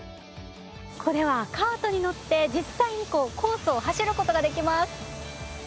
これはカートに乗って実際にコースを走る事ができます。